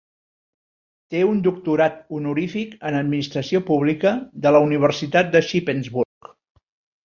Té un doctorat honorífic en Administració Pública de la Universitat de Shippensburg.